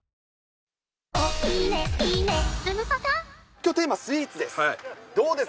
きょう、テーマ、スイーツです。